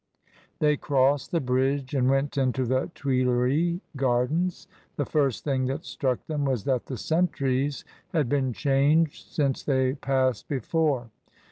They crossed the bridge and went into the Tuileries gardens. The first thing that struck them was that the sentries had been changed since they passed before.